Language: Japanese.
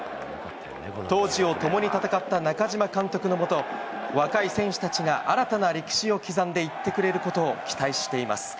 当時を共に戦った中嶋監督の下、若い選手たちが新たな歴史を刻んでいってくれることを期待しています。